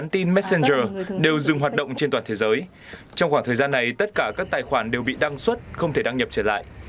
trong khoảng thời gian này tất cả các tài khoản đều bị đăng xuất không thể đăng nhập trở lại